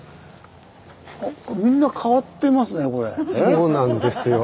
そうなんですよ。